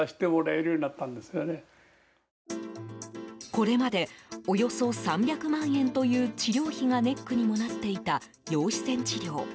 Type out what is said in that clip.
これまでおよそ３００万円という治療費がネックにもなっていた陽子線治療。